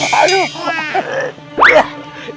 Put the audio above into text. apa pak adi